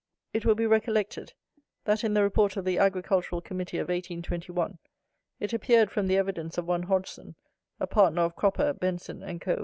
It will be recollected that in the Report of the Agricultural Committee of 1821, it appeared, from the evidence of one Hodgson, a partner of Cropper, Benson, and Co.